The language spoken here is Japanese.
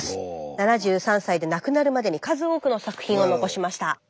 ７３歳で亡くなるまでに数多くの作品を残しました。